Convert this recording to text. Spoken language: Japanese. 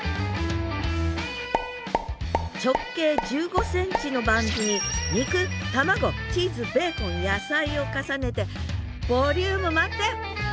直径１５ｃｍのバンズに肉卵チーズベーコン野菜を重ねてボリューム満点！